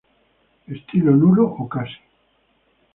Estilo nulo o casi.